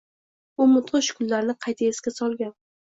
U mudhish kunlarni qayta esga slogan.